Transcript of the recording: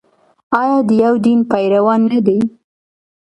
آیا د یو دین پیروان نه دي؟